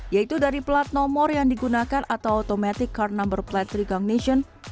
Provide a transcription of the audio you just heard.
yaitu dari plat nomor yang digunakan atau automatic car number plate recognition